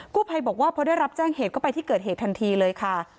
ภัยบอกว่าพอได้รับแจ้งเหตุก็ไปที่เกิดเหตุทันทีเลยค่ะ